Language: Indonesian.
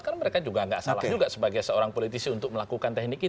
karena mereka juga nggak salah juga sebagai seorang politisi untuk melakukan teknik itu